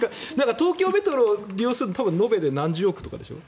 東京メトロを利用するのは延べで何十億とかでしょ。